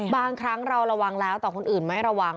บางครั้งเราระวังแล้วแต่คนอื่นไม่ระวัง